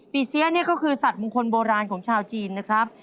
เสียเนี่ยก็คือสัตว์มงคลโบราณของชาวจีนนะครับ